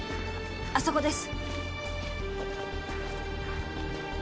あそこです。